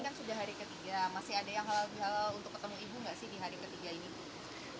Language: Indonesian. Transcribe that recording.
kan sudah hari ketiga masih ada yang halal untuk ketemu ibu nggak sih di hari ketiga ini